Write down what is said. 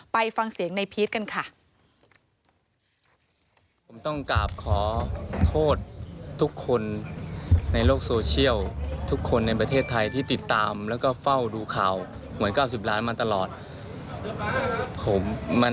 ไปฟังเสียงในพีชกันค่ะ